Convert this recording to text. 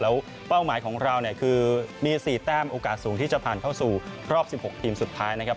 แล้วเป้าหมายของเราเนี่ยคือมี๔แต้มโอกาสสูงที่จะผ่านเข้าสู่รอบ๑๖ทีมสุดท้ายนะครับ